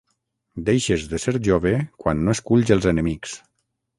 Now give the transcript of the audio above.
Deixes de ser jove quan no esculls els enemics.